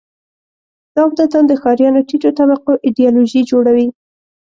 دا عمدتاً د ښاریانو ټیټو طبقو ایدیالوژي جوړوي.